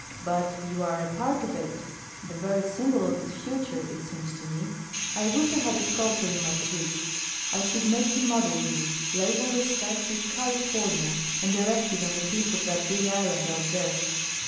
"But you are a part of it the very symbol of its future, it seems to me. I wish I had a sculptor in my suite. I should make him model you, label the statue 'California,' and erect it on the peak of that big island out there."